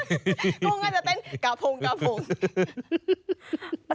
กุ้งน่าจะเต้นกระพงกระพง